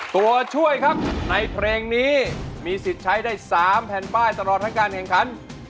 ตัวช่วยครับในเพลงนี้มีสิทธิ์ใช้ได้๓แผ่นป้ายตลอดทั้งการแข่งขัน